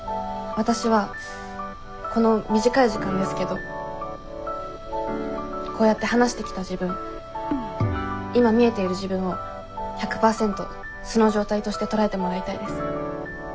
わたしはこの短い時間ですけどこうやって話してきた自分今見えている自分を１００％素の状態として捉えてもらいたいです。